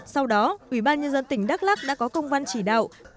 sau đó ủy ban nhân dân tỉnh đắk lắc đã có công văn chỉ đạo